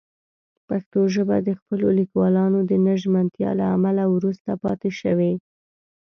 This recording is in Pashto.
پښتو ژبه د خپلو لیکوالانو د نه ژمنتیا له امله وروسته پاتې شوې.